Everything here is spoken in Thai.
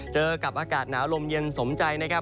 เจอกับอากาศหนาวลมเย็นสมใจนะครับ